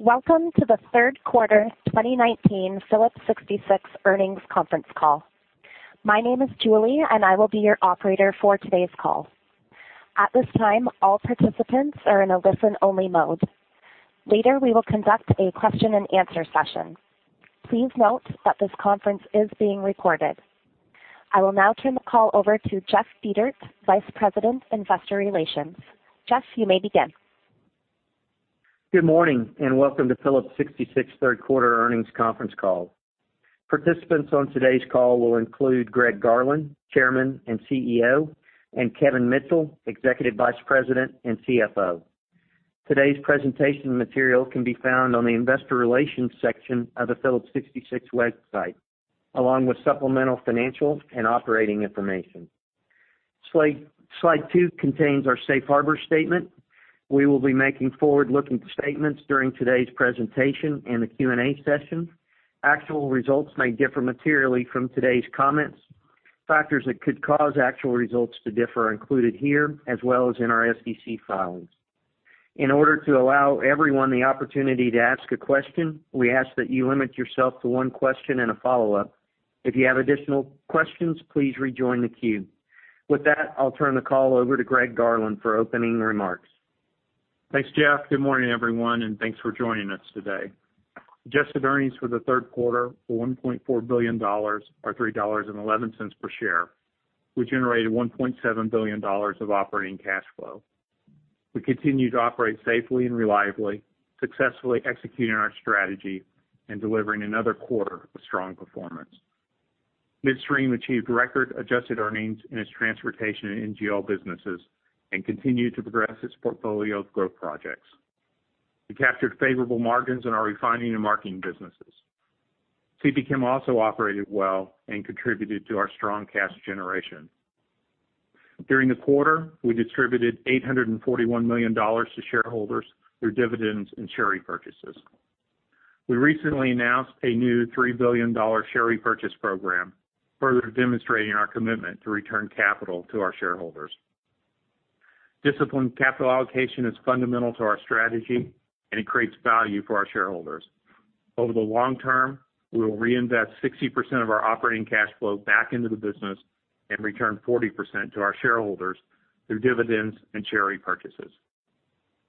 Welcome to the third quarter 2019 Phillips 66 earnings conference call. My name is Julie, and I will be your operator for today's call. At this time, all participants are in a listen-only mode. Later, we will conduct a question and answer session. Please note that this conference is being recorded. I will now turn the call over to Jeff Dietert, Vice President, Investor Relations. Jeff, you may begin. Good morning, and welcome to Phillips 66 third quarter earnings conference call. Participants on today's call will include Greg Garland, Chairman and CEO, and Kevin Mitchell, Executive Vice President and CFO. Today's presentation material can be found on the investor relations section of the Phillips 66 website, along with supplemental financial and operating information. Slide two contains our safe harbor statement. We will be making forward-looking statements during today's presentation and the Q&A session. Actual results may differ materially from today's comments. Factors that could cause actual results to differ are included here, as well as in our SEC filings. In order to allow everyone the opportunity to ask a question, we ask that you limit yourself to one question and a follow-up. If you have additional questions, please rejoin the queue. With that, I'll turn the call over to Greg Garland for opening remarks. Thanks, Jeff. Good morning, everyone. Thanks for joining us today. Adjusted earnings for the third quarter were $1.4 billion or $3.11 per share. We generated $1.7 billion of operating cash flow. We continue to operate safely and reliably, successfully executing our strategy and delivering another quarter of strong performance. Midstream achieved record-adjusted earnings in its transportation and NGL businesses and continued to progress its portfolio of growth projects. We captured favorable margins in our refining and marketing businesses. CPChem also operated well and contributed to our strong cash generation. During the quarter, we distributed $841 million to shareholders through dividends and share repurchases. We recently announced a new $3 billion share repurchase program, further demonstrating our commitment to return capital to our shareholders. Disciplined capital allocation is fundamental to our strategy. It creates value for our shareholders. Over the long term, we will reinvest 60% of our operating cash flow back into the business and return 40% to our shareholders through dividends and share repurchases.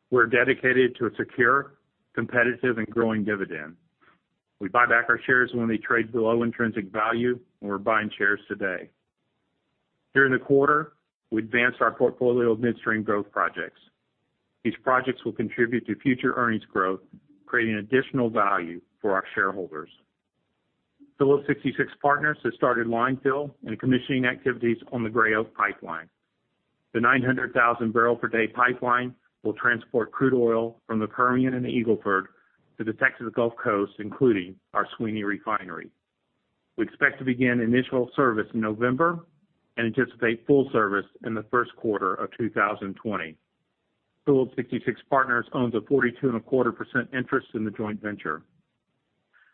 We're dedicated to a secure, competitive and growing dividend. We buy back our shares when they trade below intrinsic value, and we're buying shares today. During the quarter, we advanced our portfolio of midstream growth projects. These projects will contribute to future earnings growth, creating additional value for our shareholders. Phillips 66 Partners has started line fill and commissioning activities on the Gray Oak pipeline. The 900,000-barrel-per-day pipeline will transport crude oil from the Permian and the Eagle Ford to the Texas Gulf Coast, including our Sweeny refinery. We expect to begin initial service in November and anticipate full service in the first quarter of 2020. Phillips 66 Partners owns a 42.25% interest in the joint venture.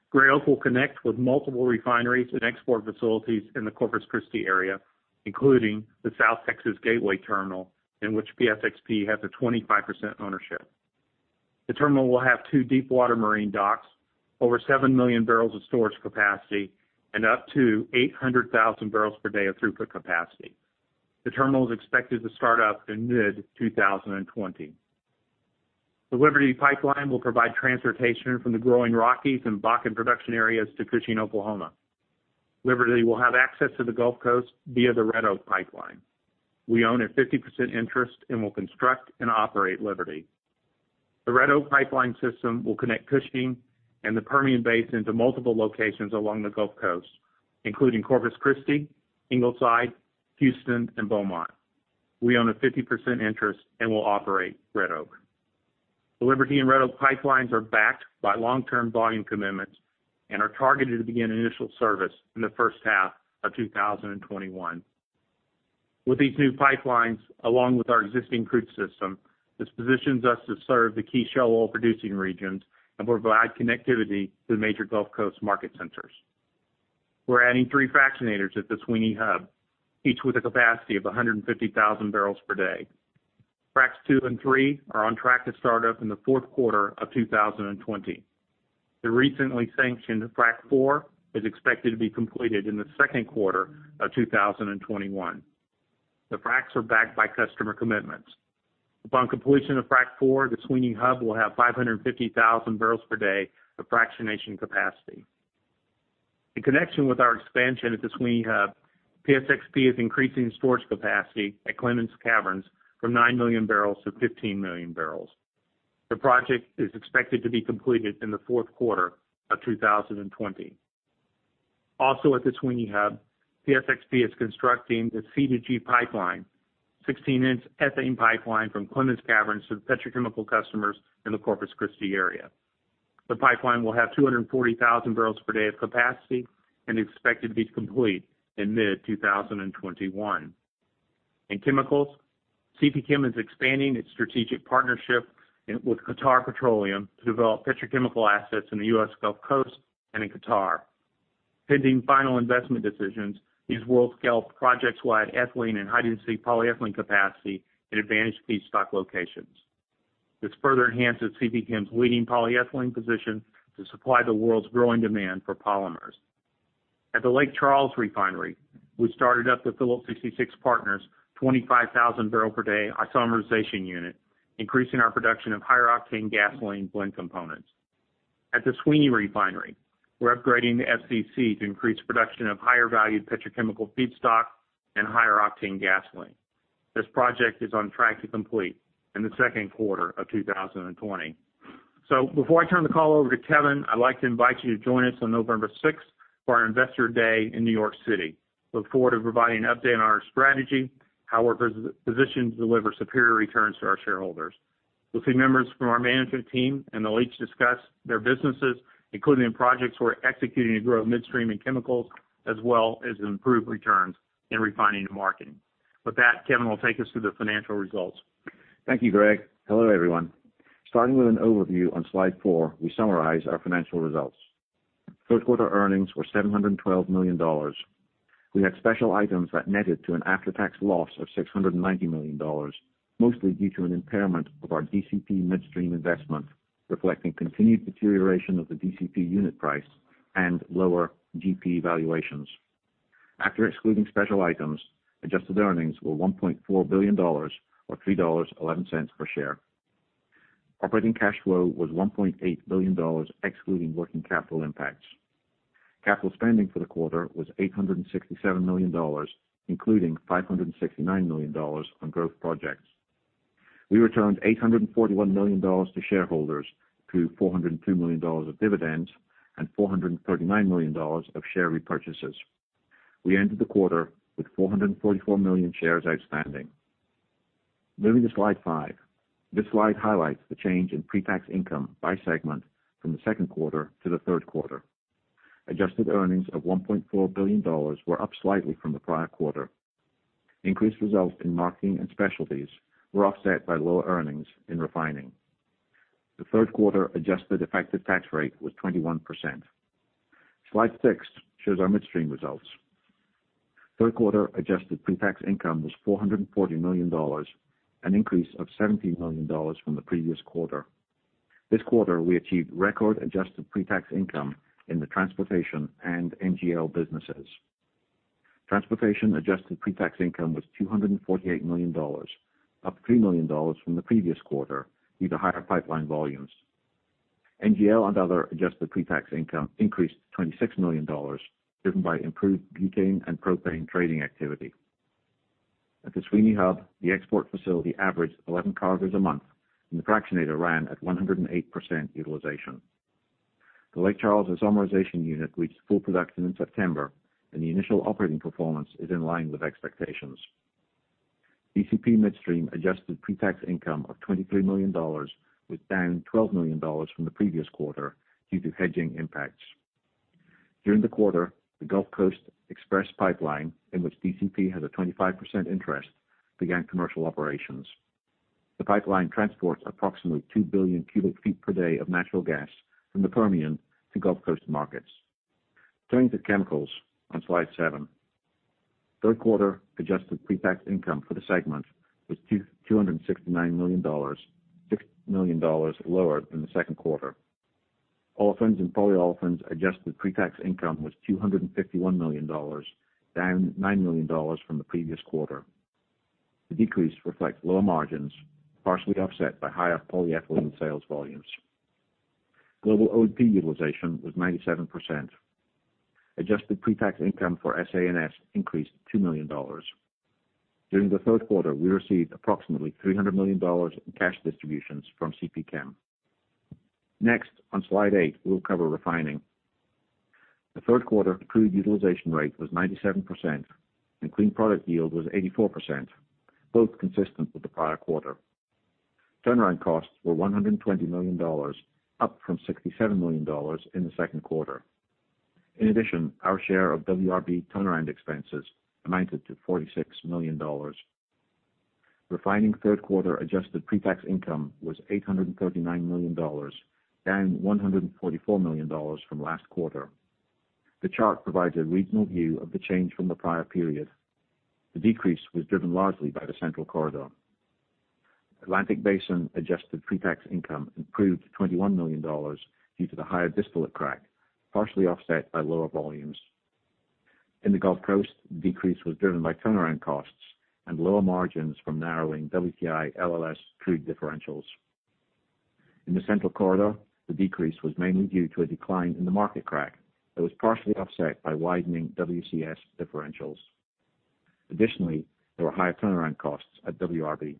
Gray Oak will connect with multiple refineries and export facilities in the Corpus Christi area, including the South Texas Gateway Terminal, in which PSXP has a 25% ownership. The terminal will have two deepwater marine docks, over 7 million barrels of storage capacity, and up to 800,000 barrels per day of throughput capacity. The terminal is expected to start up in mid-2020. The Liberty Pipeline will provide transportation from the growing Rockies and Bakken production areas to Cushing, Oklahoma. Liberty will have access to the Gulf Coast via the Red Oak Pipeline. We own a 50% interest and will construct and operate Liberty. The Red Oak Pipeline system will connect Cushing and the Permian Basin to multiple locations along the Gulf Coast, including Corpus Christi, Ingleside, Houston, and Beaumont. We own a 50% interest and will operate Red Oak. The Liberty and Red Oak pipelines are backed by long-term volume commitments and are targeted to begin initial service in the first half of 2021. With these new pipelines, along with our existing crude system, this positions us to serve the key shale oil-producing regions and provide connectivity to the major Gulf Coast market centers. We're adding 3 fractionators at the Sweeny Hub, each with a capacity of 150,000 barrels per day. Fracs 2 and 3 are on track to start up in the fourth quarter of 2020. The recently sanctioned Frac 4 is expected to be completed in the second quarter of 2021. The Fracs are backed by customer commitments. Upon completion of Frac 4, the Sweeny Hub will have 550,000 barrels per day of fractionation capacity. In connection with our expansion at the Sweeny Hub, PSXP is increasing storage capacity at Clemens Caverns from nine million barrels to 15 million barrels. The project is expected to be completed in the fourth quarter of 2020. Also at the Sweeny Hub, PSXP is constructing the C2G pipeline, a 16-inch ethane pipeline from Clemens Caverns to the petrochemical customers in the Corpus Christi area. The pipeline will have 240,000 barrels per day of capacity and is expected to be complete in mid-2021. In chemicals, CPChem is expanding its strategic partnership with Qatar Petroleum to develop petrochemical assets in the U.S. Gulf Coast and in Qatar. Pending final investment decisions, these world-scale projects will add ethylene and high-density polyethylene capacity in advantage feedstock locations. This further enhances CPChem's leading polyethylene position to supply the world's growing demand for polymers. At the Lake Charles refinery, we started up with Phillips 66 Partners 25,000-barrel-per-day isomerization unit, increasing our production of higher-octane gasoline blend components. At the Sweeny refinery, we're upgrading the FCC to increase production of higher-value petrochemical feedstock and higher-octane gasoline. This project is on track to complete in the second quarter of 2020. Before I turn the call over to Kevin, I'd like to invite you to join us on November sixth for our Investor Day in New York City. Look forward to providing an update on our strategy, how we're positioned to deliver superior returns to our shareholders. You'll see members from our management team, and they'll each discuss their businesses, including projects we're executing to grow Midstream and Chemicals, as well as improve returns in Refining and Marketing. With that, Kevin will take us through the financial results. Thank you, Greg. Hello, everyone. Starting with an overview on slide four, we summarize our financial results. Third quarter earnings were $712 million. We had special items that netted to an after-tax loss of $690 million, mostly due to an impairment of our DCP Midstream investment, reflecting continued deterioration of the DCP unit price and lower GP valuations. After excluding special items, adjusted earnings were $1.4 billion, or $3.11 per share. Operating cash flow was $1.8 billion, excluding working capital impacts. Capital spending for the quarter was $867 million, including $569 million on growth projects. We returned $841 million to shareholders through $402 million of dividends and $439 million of share repurchases. We ended the quarter with 444 million shares outstanding. Moving to slide five. This slide highlights the change in pre-tax income by segment from the second quarter to the third quarter. Adjusted earnings of $1.4 billion were up slightly from the prior quarter. Increased results in marketing and specialties were offset by lower earnings in refining. The third quarter adjusted effective tax rate was 21%. Slide six shows our midstream results. Third quarter adjusted pre-tax income was $440 million, an increase of $17 million from the previous quarter. This quarter, we achieved record-adjusted pre-tax income in the transportation and NGL businesses. Transportation adjusted pre-tax income was $248 million, up $3 million from the previous quarter due to higher pipeline volumes. NGL and other adjusted pre-tax income increased to $26 million, driven by improved butane and propane trading activity. At the Sweeny Hub, the export facility averaged 11 cargos a month, and the fractionator ran at 108% utilization. The Lake Charles isomerization unit reached full production in September, and the initial operating performance is in line with expectations. DCP Midstream adjusted pre-tax income of $23 million was down $12 million from the previous quarter due to hedging impacts. During the quarter, the Gulf Coast Express pipeline, in which DCP has a 25% interest, began commercial operations. The pipeline transports approximately 2 billion cubic feet per day of natural gas from the Permian to Gulf Coast markets. Turning to chemicals on slide seven. Third quarter adjusted pre-tax income for the segment was $269 million, $6 million lower than the second quarter. Olefins and Polyolefins adjusted pre-tax income was $251 million, down $9 million from the previous quarter. The decrease reflects lower margins, partially offset by higher polyethylene sales volumes. Global O&P utilization was 97%. Adjusted pre-tax income for SA&S increased $2 million. During the third quarter, we received approximately $300 million in cash distributions from CP Chem. Next, on slide eight, we'll cover refining. The third quarter crude utilization rate was 97%, and clean product yield was 84%, both consistent with the prior quarter. Turnaround costs were $120 million, up from $67 million in the second quarter. In addition, our share of WRB turnaround expenses amounted to $46 million. Refining third-quarter adjusted pre-tax income was $839 million, down $144 million from last quarter. The chart provides a regional view of the change from the prior period. The decrease was driven largely by the Central Corridor. Atlantic Basin adjusted pre-tax income improved to $21 million due to the higher distillate crack, partially offset by lower volumes. In the Gulf Coast, the decrease was driven by turnaround costs and lower margins from narrowing WTI/LLS crude differentials. In the Central Corridor, the decrease was mainly due to a decline in the market crack that was partially offset by widening WCS differentials. Additionally, there were higher turnaround costs at WRB.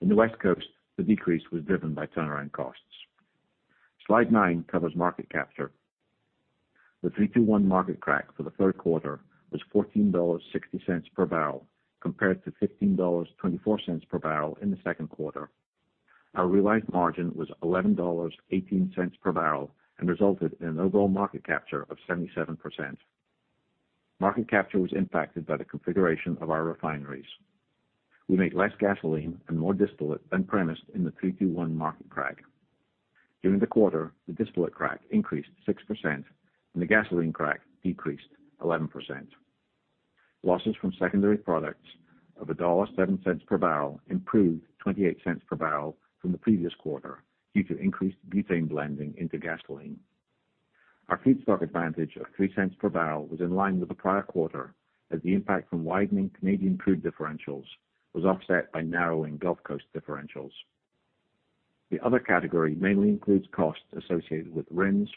In the West Coast, the decrease was driven by turnaround costs. Slide nine covers market capture. The 3-2-1 market crack for the third quarter was $14.60 per barrel, compared to $15.24 per barrel in the second quarter. Our realized margin was $11.18 per barrel and resulted in an overall market capture of 77%. Market capture was impacted by the configuration of our refineries. We made less gasoline and more distillate than premised in the 3-2-1 market crack. During the quarter, the distillate crack increased 6%, and the gasoline crack decreased 11%. Losses from secondary products of $1.07 per barrel improved $0.28 per barrel from the previous quarter due to increased butane blending into gasoline. Our feedstock advantage of $0.03 per barrel was in line with the prior quarter, as the impact from widening Canadian crude differentials was offset by narrowing Gulf Coast differentials. The other category mainly includes costs associated with RINs,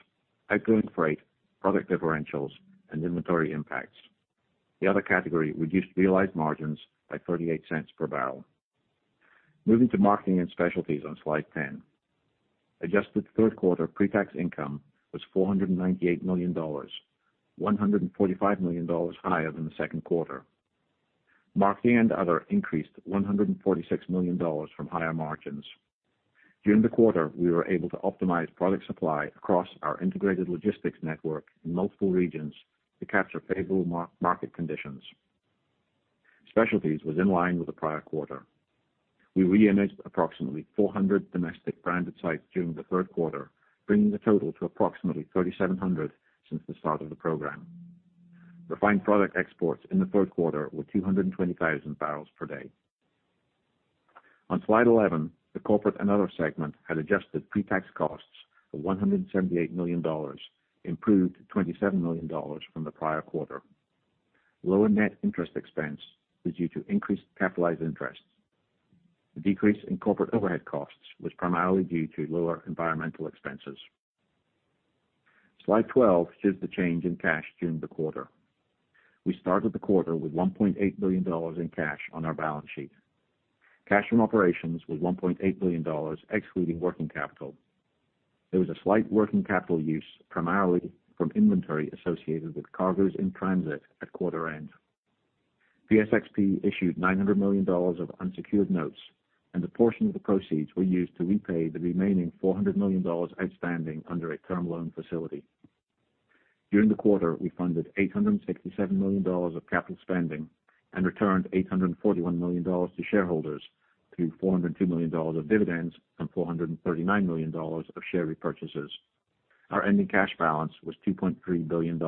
outgoing freight, product differentials, and inventory impacts. The other category reduced realized margins by $0.38 per barrel. Moving to marketing and specialties on slide 10. Adjusted third quarter pre-tax income was $498 million, $145 million higher than the second quarter. Marketing and other increased $146 million from higher margins. During the quarter, we were able to optimize product supply across our integrated logistics network in multiple regions to capture favorable market conditions. Specialties was in line with the prior quarter. We re-imaged approximately 400 domestic branded sites during the third quarter, bringing the total to approximately 3,700 since the start of the program. Refined product exports in the third quarter were 220,000 barrels per day. On slide 11, the corporate and other segment had adjusted pre-tax costs of $178 million, improved $27 million from the prior quarter. Lower net interest expense was due to increased capitalized interest. The decrease in corporate overhead costs was primarily due to lower environmental expenses. Slide 12 shows the change in cash during the quarter. We started the quarter with $1.8 billion in cash on our balance sheet. Cash from operations was $1.8 billion, excluding working capital. There was a slight working capital use, primarily from inventory associated with cargoes in transit at quarter end. PSXP issued $900 million of unsecured notes, and a portion of the proceeds were used to repay the remaining $400 million outstanding under a term loan facility. During the quarter, we funded $867 million of capital spending and returned $841 million to shareholders through $402 million of dividends and $439 million of share repurchases. Our ending cash balance was $2.3 billion.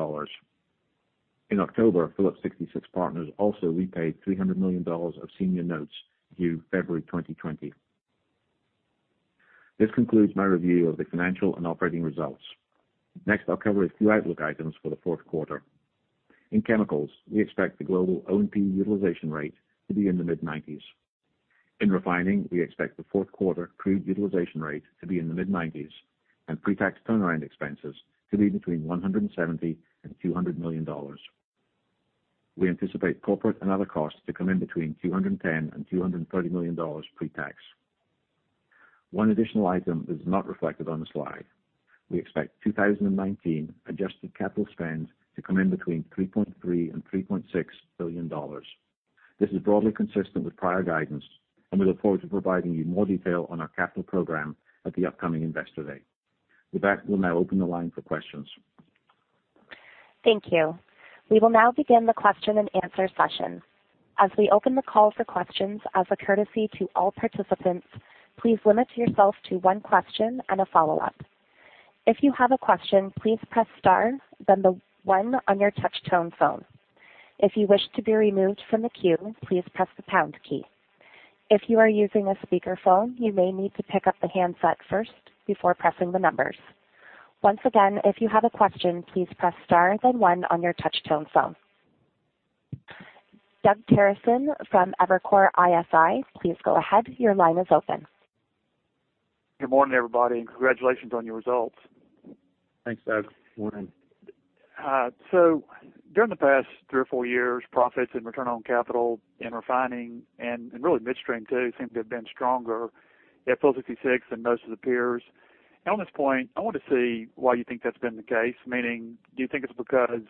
In October, Phillips 66 Partners also repaid $300 million of senior notes due February 2020. This concludes my review of the financial and operating results. Next, I'll cover a few outlook items for the fourth quarter. In chemicals, we expect the global O&P utilization rate to be in the mid-90s. In refining, we expect the fourth quarter crude utilization rate to be in the mid-90s and pre-tax turnaround expenses to be between $170 million and $200 million. We anticipate corporate and other costs to come in between $210 million and $230 million pre-tax. One additional item is not reflected on the slide. We expect 2019 adjusted capital spend to come in between $3.3 billion and $3.6 billion. This is broadly consistent with prior guidance, and we look forward to providing you more detail on our capital program at the upcoming Investor Day. With that, we'll now open the line for questions. Thank you. We will now begin the question and answer session. As we open the call for questions, as a courtesy to all participants, please limit yourself to one question and a follow-up. If you have a question, please press star, then the one on your touch tone phone. If you wish to be removed from the queue, please press the pound key. If you are using a speakerphone, you may need to pick up the handset first before pressing the numbers. Once again, if you have a question, please press star then one on your touch tone phone. Douglas Terreson from Evercore ISI, please go ahead. Your line is open. Good morning, everybody, and congratulations on your results. Thanks, Doug. Good morning. During the past three or four years, profits and return on capital in refining and really midstream too seem to have been stronger at Phillips 66 than most of the peers. On this point, I want to see why you think that's been the case, meaning do you think it's because,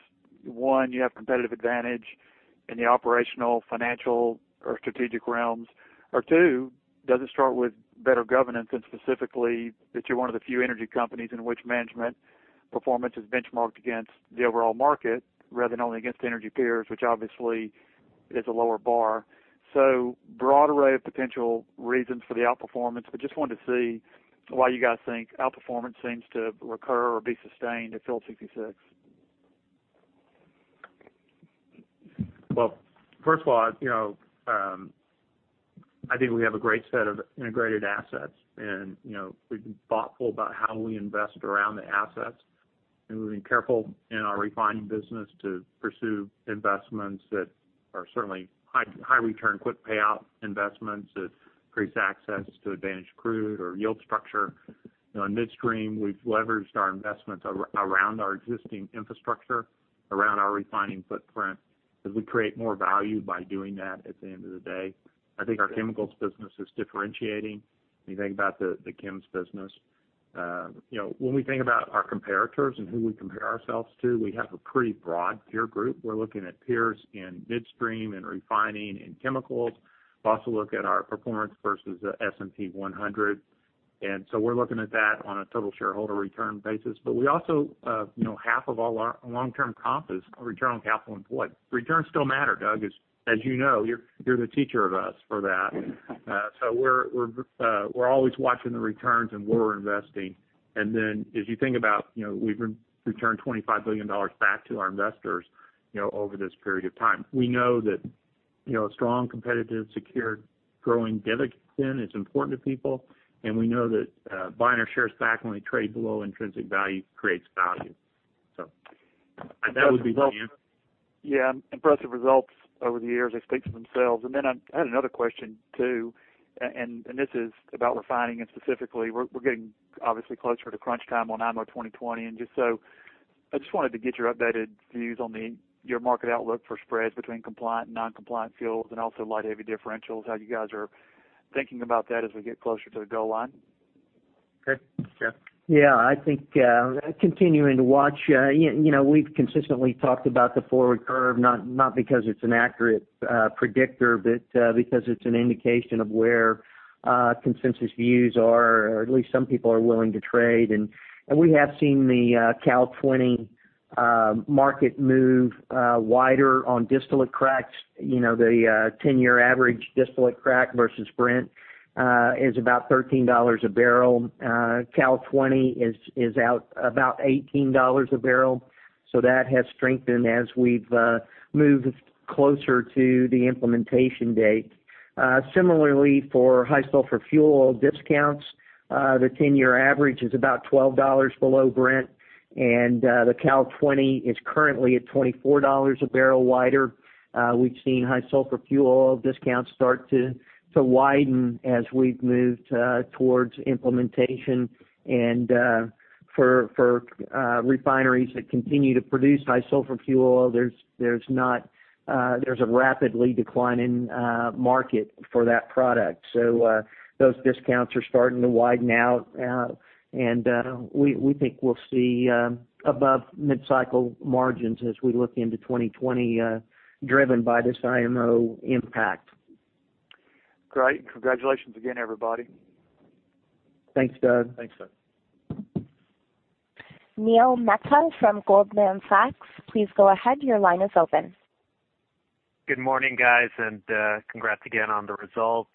one, you have competitive advantage in the operational, financial or strategic realms? Or two, does it start with better governance and specifically that you're one of the few energy companies in which management performance is benchmarked against the overall market rather than only against energy peers, which obviously is a lower bar. Broad array of potential reasons for the outperformance, but just wanted to see why you guys think outperformance seems to recur or be sustained at Phillips 66. Well, first of all, I think we have a great set of integrated assets, and we've been thoughtful about how we invest around the assets, and we've been careful in our refining business to pursue investments that are certainly high return, quick payout investments that increase access to advantage crude or yield structure. In midstream, we've leveraged our investments around our existing infrastructure, around our refining footprint, because we create more value by doing that at the end of the day. I think our chemicals business is differentiating when you think about the chems business. When we think about our comparators and who we compare ourselves to, we have a pretty broad peer group. We're looking at peers in midstream and refining and chemicals. We also look at our performance versus the S&P 100. So we're looking at that on a total shareholder return basis. We also half of all our long-term comp is a return on capital employed. Returns still matter, Doug, as you know. You're the teacher of us for that. We're always watching the returns and where we're investing. As you think about it, we've returned $25 billion back to our investors over this period of time. We know that a strong, competitive, secure, growing dividend is important to people, and we know that buying our shares back when they trade below intrinsic value creates value. That would be the answer. Yeah. Impressive results over the years. They speak for themselves. I had another question, too, and this is about refining, and specifically, we're getting obviously closer to crunch time on IMO 2020. I just wanted to get your updated views on your market outlook for spreads between compliant and non-compliant fuels and also light-heavy differentials, how you guys are thinking about that as we get closer to the goal line. Okay. Jeff? Yeah, I think continuing to watch. We've consistently talked about the forward curve, not because it's an accurate predictor, but because it's an indication of where consensus views are, or at least some people are willing to trade. We have seen the Cal 20 market move wider on distillate cracks. The 10-year average distillate crack versus Brent is about $13 a barrel. Cal 20 is out about $18 a barrel, so that has strengthened as we've moved closer to the implementation date. Similarly, for high sulfur fuel oil discounts, the 10-year average is about $12 below Brent, and the Cal 20 is currently at $24 a barrel wider. We've seen high sulfur fuel oil discounts start to widen as we've moved towards implementation. For refineries that continue to produce high sulfur fuel oil, there's a rapidly declining market for that product. Those discounts are starting to widen out, and we think we'll see above mid-cycle margins as we look into 2020, driven by this IMO impact. Great. Congratulations again, everybody. Thanks, Doug. Thanks, Doug. Neil Mehta from Goldman Sachs, please go ahead. Your line is open. Good morning, guys. Congrats again on the results.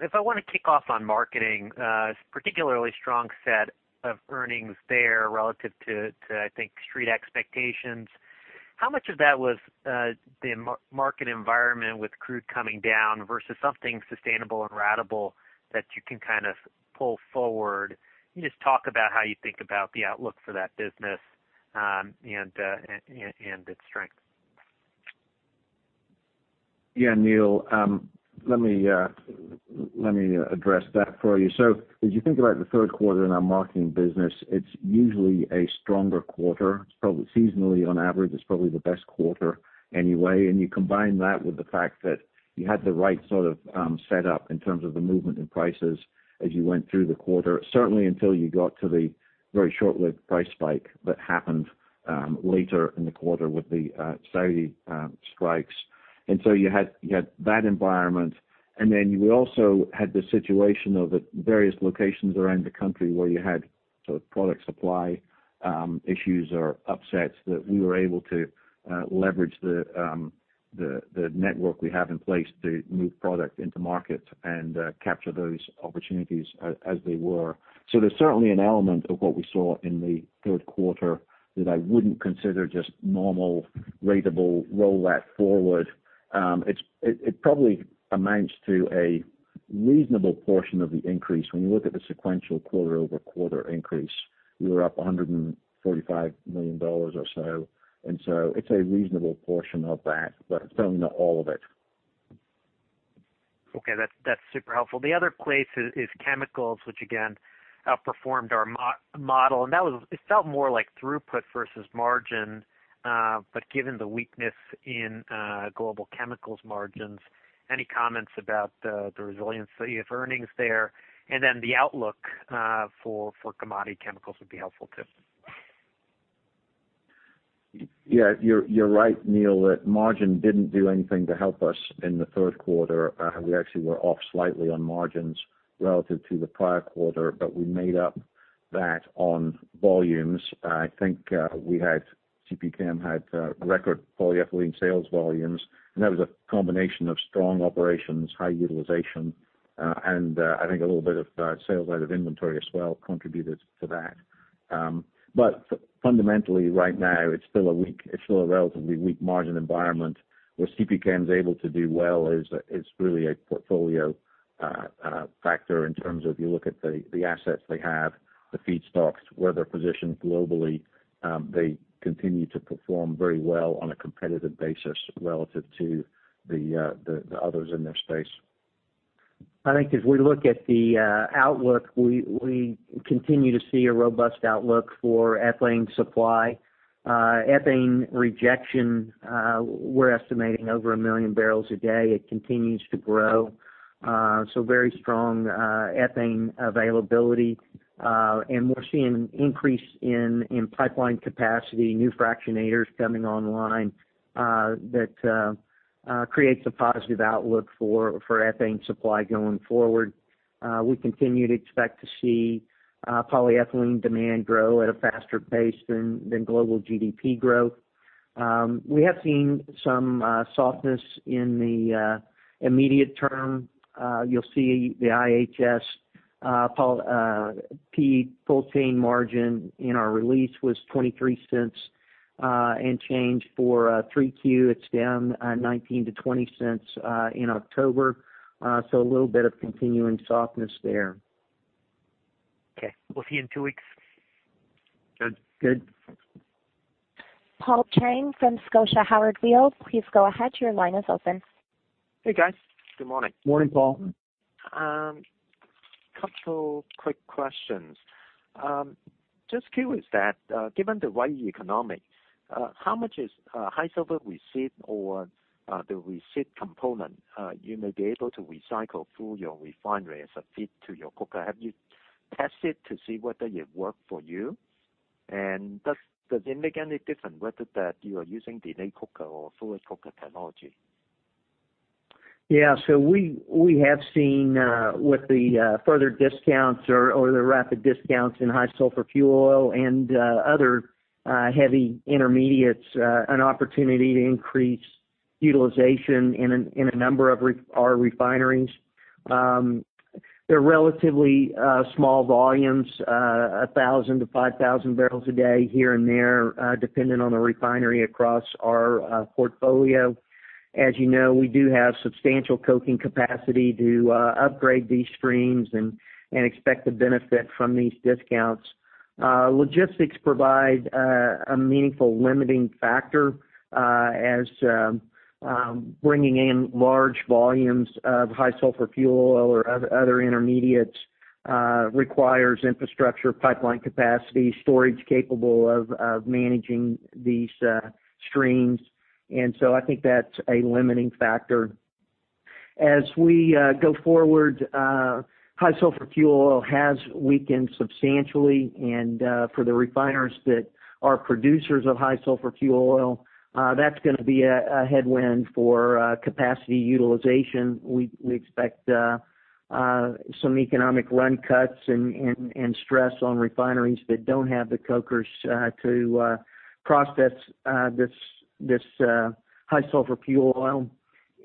If I want to kick off on marketing, a particularly strong set of earnings there relative to, I think, Street expectations. How much of that was the market environment with crude coming down versus something sustainable and ratable that you can pull forward? Can you just talk about how you think about the outlook for that business and its strength? Yeah, Neil, let me address that for you. As you think about the third quarter in our marketing business, it's usually a stronger quarter. Seasonally, on average, it's probably the best quarter anyway. You combine that with the fact that you had the right sort of setup in terms of the movement in prices as you went through the quarter. Certainly until you got to the very short-lived price spike that happened later in the quarter with the Saudi strikes. You had that environment, and then we also had the situation of various locations around the country where you had sort of product supply issues or upsets that we were able to leverage the network we have in place to move product into market and capture those opportunities as they were. There's certainly an element of what we saw in the third quarter that I wouldn't consider just normal ratable roll that forward. It probably amounts to a reasonable portion of the increase. When you look at the sequential quarter-over-quarter increase, we were up $145 million or so, and so it's a reasonable portion of that, but it's certainly not all of it. Okay. That's super helpful. The other place is chemicals, which again, outperformed our model, and it felt more like throughput versus margin. Given the weakness in global chemicals margins, any comments about the resiliency of earnings there? The outlook for commodity chemicals would be helpful too. Yeah, you're right, Neil, that margin didn't do anything to help us in the third quarter. We actually were off slightly on margins relative to the prior quarter, but we made up that on volumes. I think CP Chem had record polyethylene sales volumes, and that was a combination of strong operations, high utilization, and I think a little bit of sales out of inventory as well contributed to that. Fundamentally, right now, it's still a relatively weak margin environment. Where CP Chem's able to do well is really a portfolio factor in terms of you look at the assets they have, the feedstocks, where they're positioned globally. They continue to perform very well on a competitive basis relative to the others in their space. I think as we look at the outlook, we continue to see a robust outlook for ethane supply. Ethane rejection, we're estimating over 1 million barrels a day. It continues to grow. Very strong ethane availability. We're seeing an increase in pipeline capacity, new fractionators coming online that creates a positive outlook for ethane supply going forward. We continue to expect to see polyethylene demand grow at a faster pace than global GDP growth. We have seen some softness in the immediate term. You'll see the IHS PE full-chain margin in our release was $0.23 and change for 3Q. It's down $0.19-$0.20 in October. A little bit of continuing softness there. Okay. We'll see you in two weeks. Good. Good. Paul Cheng from Scotia Howard Weil. Please go ahead. Your line is open. Hey, guys. Good morning. Morning, Paul. A couple quick questions. Just curious that, given the wide economics, how much is high sulfur resid or the resid component you may be able to recycle through your refinery as a feed to your coker? Have you tested to see whether it worked for you? Does it make any difference whether that you are using delayed coker or fluid coker technology? We have seen with the further discounts or the rapid discounts in high sulfur fuel oil and other heavy intermediates, an opportunity to increase utilization in a number of our refineries. They're relatively small volumes, 1,000 to 5,000 barrels a day here and there, depending on the refinery across our portfolio. As you know, we do have substantial coking capacity to upgrade these streams and expect to benefit from these discounts. Logistics provide a meaningful limiting factor as bringing in large volumes of high sulfur fuel oil or other intermediates requires infrastructure, pipeline capacity, storage capable of managing these streams. I think that's a limiting factor. As we go forward, high sulfur fuel oil has weakened substantially. For the refiners that are producers of high sulfur fuel oil, that's going to be a headwind for capacity utilization. We expect some economic run cuts and stress on refineries that don't have the cokers to process this high sulfur fuel oil.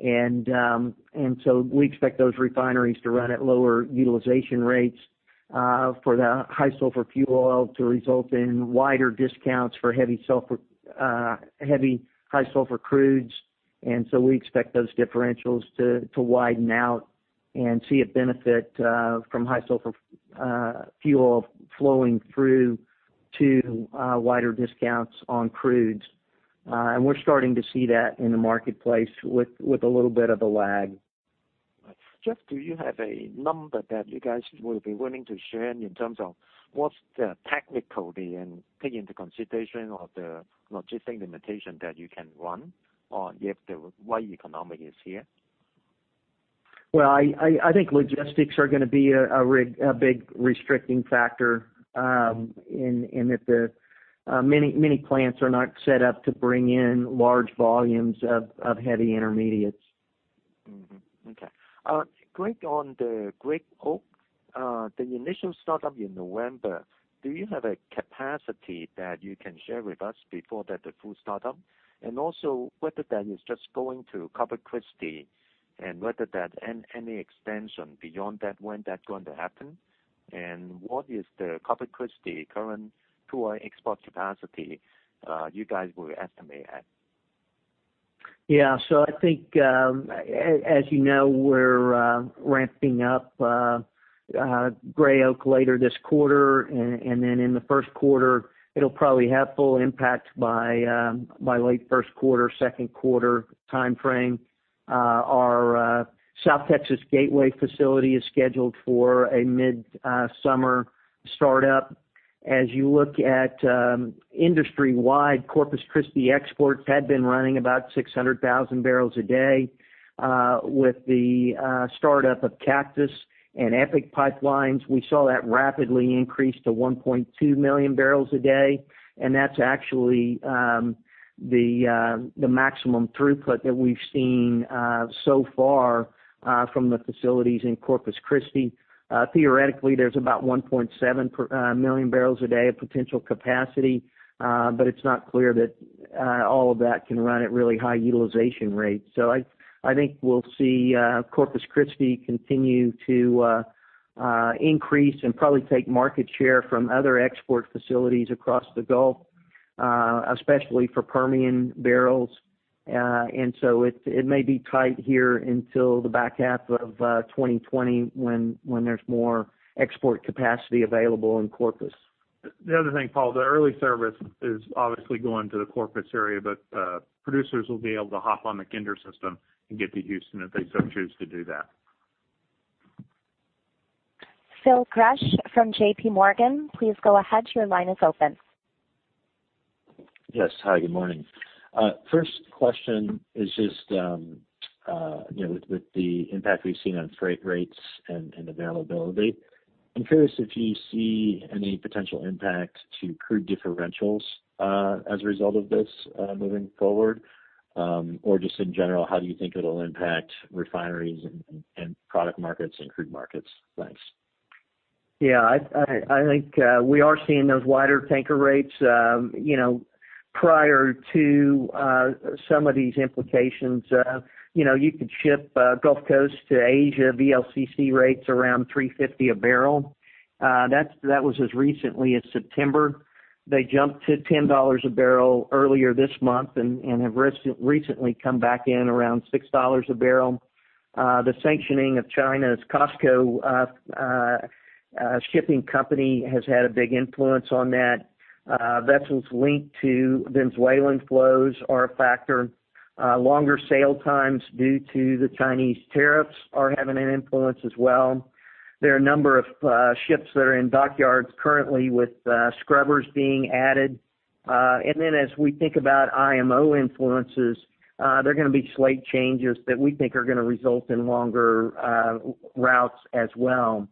We expect those refineries to run at lower utilization rates for the high sulfur fuel oil to result in wider discounts for heavy high sulfur crudes. We expect those differentials to widen out and see a benefit from high sulfur fuel oil flowing through to wider discounts on crudes. We're starting to see that in the marketplace with a little bit of a lag. Right. Jeff, do you have a number that you guys will be willing to share in terms of what's the technical take into consideration of the logistic limitation that you can run or if the world economic is here? Well, I think logistics are going to be a big restricting factor in that many plants are not set up to bring in large volumes of heavy intermediates. Okay. Quick on the Gray Oak. The initial start-up in November, do you have a capacity that you can share with us before that full start-up? Also, whether that is just going to Corpus Christi and whether that any extension beyond that, when that's going to happen? What is the Corpus Christi current crude export capacity you guys will estimate at? I think as you know, we're ramping up Gray Oak later this quarter, and then in the first quarter, it'll probably have full impact by late first quarter, second quarter timeframe. Our South Texas Gateway facility is scheduled for a mid-summer start-up. As you look at industry-wide, Corpus Christi exports had been running about 600,000 barrels a day. With the start-up of Cactus and EPIC pipelines, we saw that rapidly increase to 1.2 million barrels a day, and that's actually the maximum throughput that we've seen so far from the facilities in Corpus Christi. Theoretically, there's about 1.7 million barrels a day of potential capacity. It's not clear that all of that can run at really high utilization rates. I think we'll see Corpus Christi continue to increase and probably take market share from other export facilities across the Gulf, especially for Permian barrels. It may be tight here until the back half of 2020 when there's more export capacity available in Corpus. The other thing, Paul, the early service is obviously going to the Corpus area. Producers will be able to hop on the Kinder system and get to Houston if they so choose to do that. Phil Gresh from JPMorgan. Please go ahead. Your line is open. Yes. Hi, good morning. First question is just with the impact we've seen on freight rates and availability. I'm curious if you see any potential impact to crude differentials as a result of this moving forward or just in general, how do you think it'll impact refineries and product markets and crude markets? Thanks. Yeah. I think we are seeing those wider tanker rates. Prior to some of these implications, you could ship Gulf Coast to Asia VLCC rates around $3.50 a barrel. That was as recently as September. They jumped to $10 a barrel earlier this month and have recently come back in around $6 a barrel. The sanctioning of China's COSCO Shipping company has had a big influence on that. Vessels linked to Venezuelan flows are a factor. Longer sail times due to the Chinese tariffs are having an influence as well. There are a number of ships that are in dockyards currently with scrubbers being added. As we think about IMO influences, there are going to be slight changes that we think are going to result in longer routes as well.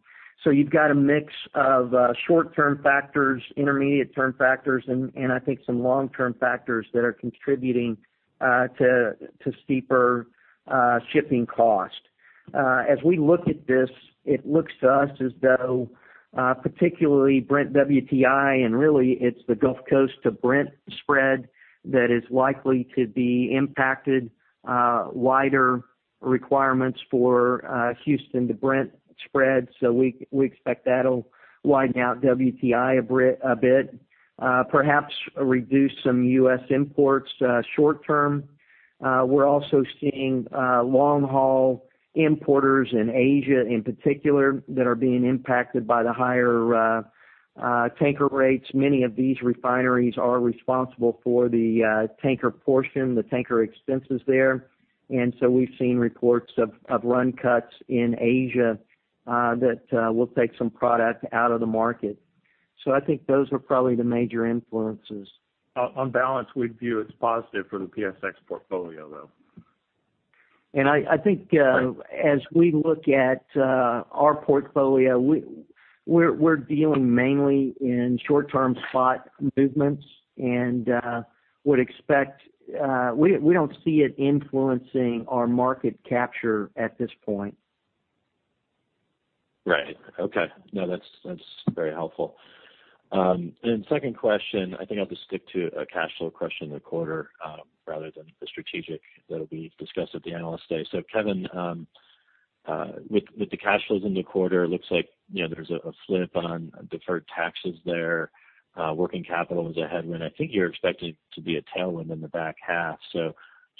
You've got a mix of short-term factors, intermediate-term factors, and I think some long-term factors that are contributing to steeper shipping cost. As we look at this, it looks to us as though, particularly Brent WTI, and really it's the Gulf Coast to Brent spread that is likely to be impacted, wider requirements for Houston to Brent spread. We expect that'll widen out WTI a bit. Perhaps reduce some U.S. imports short-term. We're also seeing long-haul importers in Asia, in particular, that are being impacted by the higher tanker rates. Many of these refineries are responsible for the tanker portion, the tanker expenses there. We've seen reports of run cuts in Asia that will take some product out of the market. I think those are probably the major influences. On balance, we'd view it's positive for the PSX portfolio, though. I think as we look at our portfolio, we're dealing mainly in short-term spot movements. We don't see it influencing our market capture at this point. Right. Okay. No, that's very helpful. Second question, I think I'll just stick to a cash flow question in the quarter rather than the strategic that'll be discussed at the Analyst Day. Kevin, with the cash flows in the quarter, it looks like there's a flip on deferred taxes there. Working capital was a headwind. I think you're expecting it to be a tailwind in the back half.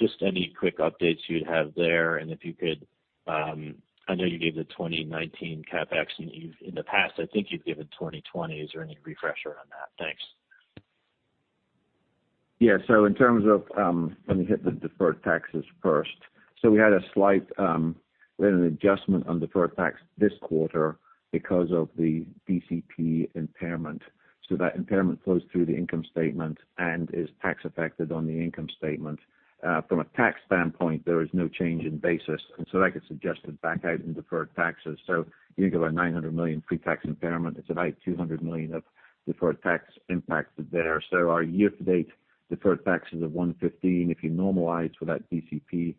Just any quick updates you'd have there, and if you could-- I know you gave the 2019 CapEx, and in the past, I think you've given 2020. Is there any refresher on that? Thanks. Yeah. Let me hit the deferred taxes first. We had an adjustment on deferred tax this quarter because of the DCP impairment. That impairment flows through the income statement and is tax affected on the income statement. From a tax standpoint, there is no change in basis. That gets adjusted back out in deferred taxes. You give a $900 million pre-tax impairment, it's about $200 million of deferred tax impacted there. Our year-to-date deferred taxes of $115, if you normalize for that DCP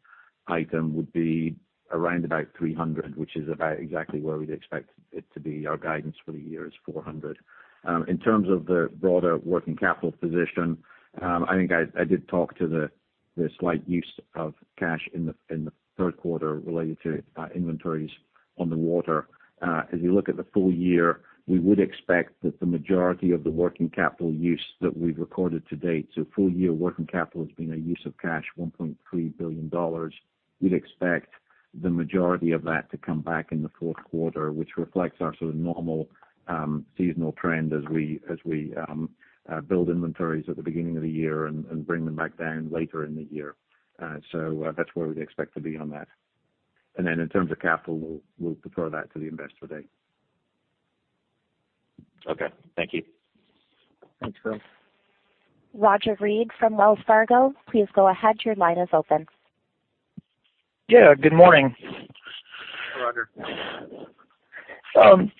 item, would be around about $300, which is about exactly where we'd expect it to be. Our guidance for the year is $400. In terms of the broader working capital position, I think I did talk to the slight use of cash in the third quarter related to inventories on the water. As you look at the full year, we would expect that the majority of the working capital use that we've recorded to date, full-year working capital has been a use of cash, $1.3 billion. We'd expect the majority of that to come back in the fourth quarter, which reflects our sort of normal seasonal trend as we build inventories at the beginning of the year and bring them back down later in the year. That's where we'd expect to be on that. In terms of capital, we'll defer that to the Investor Day. Okay. Thank you. Thanks, Phil. Roger Read from Wells Fargo. Please go ahead, your line is open. Yeah, good morning. Hi, Roger.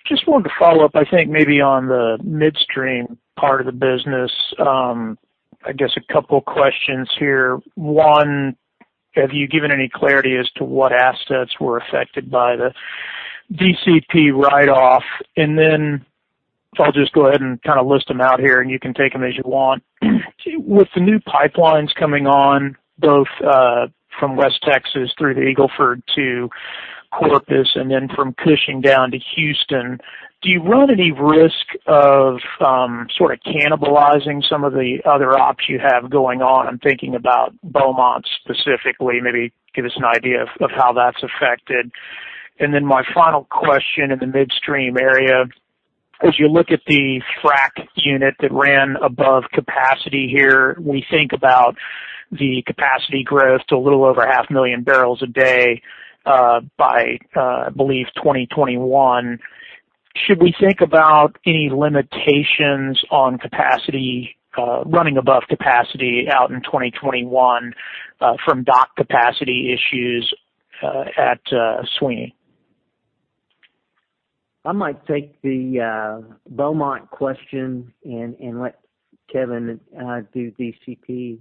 Just wanted to follow up, I think maybe on the midstream part of the business. I guess a couple questions here. One, have you given any clarity as to what assets were affected by the DCP write-off? I'll just go ahead and kind of list them out here, and you can take them as you want. With the new pipelines coming on, both from West Texas through to Eagle Ford to Corpus, and then from Cushing down to Houston, do you run any risk of sort of cannibalizing some of the other ops you have going on? I'm thinking about Beaumont specifically. Maybe give us an idea of how that's affected. My final question in the midstream area, as you look at the frac unit that ran above capacity here, we think about the capacity growth to a little over 0.5 million barrels a day by, I believe, 2021. Should we think about any limitations on running above capacity out in 2021 from dock capacity issues? At Sweeny. I might take the Beaumont question and let Kevin do DCP.